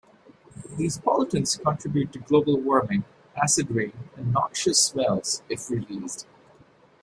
These pollutants contribute to global warming, acid rain, and noxious smells if released.